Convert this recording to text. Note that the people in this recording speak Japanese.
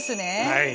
はい。